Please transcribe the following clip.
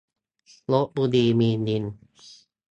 ลพบุรีมีลิง !